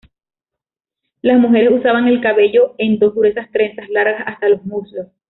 Las mujeres usaban el cabello en dos gruesas trenzas, largas hasta los muslos.